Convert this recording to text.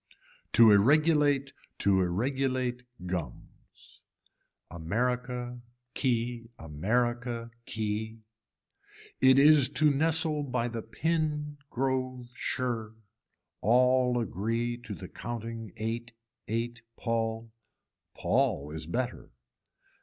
To irregulate to irregulate gums. America key america key. It is too nestle by the pin grove shirr, all agree to the counting ate ate pall. Paul is better.